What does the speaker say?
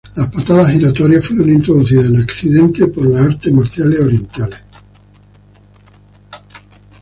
Las patadas giratorias fueron introducidas en Occidente por las artes marciales orientales.